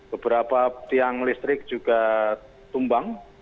beberapa tiang listrik juga tumbang